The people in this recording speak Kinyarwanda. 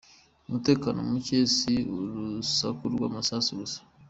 Umutekano muke si urusaku rw’amasasu gusa .